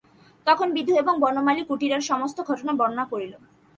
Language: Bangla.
তখন বিধু এবং বনমালী কুটিরের সমস্ত ঘটনা বর্ণনা করিল।